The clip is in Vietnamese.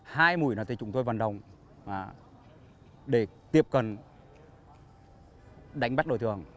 hai mũi là chúng tôi vận động để tiếp cận đánh bắt đối tượng